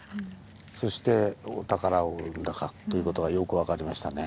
そしてお宝を生んだかという事がよく分かりましたね。